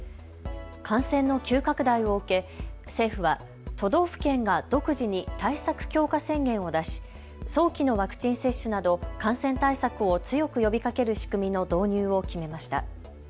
感染の急拡大を受け政府は都道府県が独自に対策強化宣言を出し早期のワクチン接種など感染対策を強く呼びかける仕組みの導入を決めました。